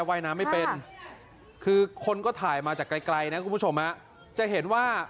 ว่ายน้ำไม่เป็นคือคนก็ถ่ายมาจากไกลไกลนะคุณผู้ชมฮะจะเห็นว่า